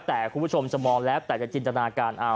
แต่คุณผู้ชมจะมองแล้วแต่จะจินตนาการเอา